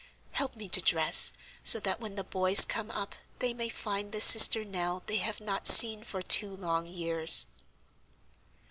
Help me to dress, so that when the boys come up they may find the sister Nell they have not seen for two long years."